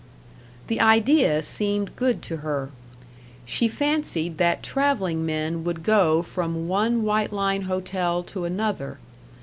The idea seemed good to her. She fancied that traveling men would go from one White Line Hotel to another.